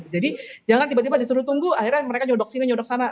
jadi jangan tiba tiba disuruh tunggu akhirnya mereka nyodok sini nyodok sana